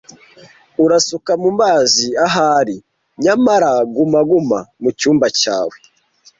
Urasuka mumazi ahari, nyamara guma guma mucyumba cyawe.